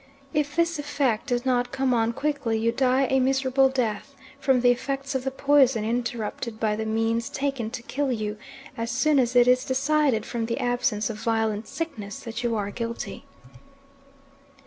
If this effect does not come on quickly you die a miserable death from the effects of the poison interrupted by the means taken to kill you as soon as it is decided from the absence of violent sickness that you are guilty.